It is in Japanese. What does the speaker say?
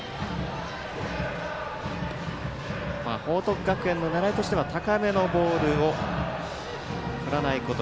報徳学園の狙いとしては高めのボールを振らないこと。